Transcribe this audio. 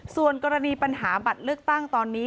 ส่วนกรณีปัญหาบัตรเลือกตั้งตอนนี้